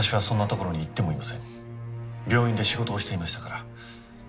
病院で仕事をしていましたから。